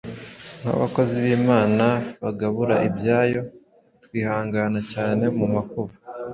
nk’abakozi b’Imana bagabura ibyayo; twihangana cyane mu makuba,